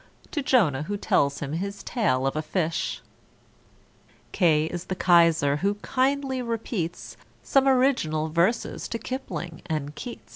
To =J=onah, who tells him his tale of a fish. =K= is the =K=aiser, who kindly repeats Some original verses to =K=ipling and =K=eats.